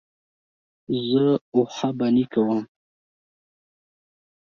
زه اوښبهني کوم.